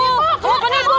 uuuh dasar penipu